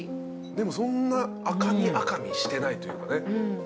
でもそんな赤身赤身してないというかね。